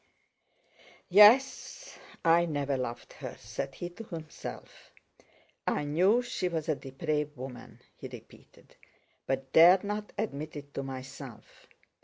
"Yes, I never loved her," said he to himself; "I knew she was a depraved woman," he repeated, "but dared not admit it to myself.